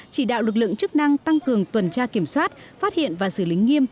chỉ đạo lực lượng chức năng tăng cường tuần tra kiểm soát phát hiện và xử lý nghiêm